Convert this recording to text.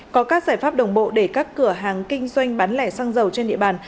có các giải pháp đồng bộ để các cửa hàng kinh doanh bán lẻ xăng dầu trên địa bàn